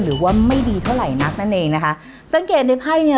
หรือว่าไม่ดีเท่าไหร่นักนั่นเองนะคะสังเกตในไพ่เนี่ย